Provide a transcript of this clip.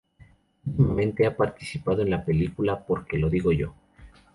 Últimamente ha participado en la película "¡Porque lo digo yo!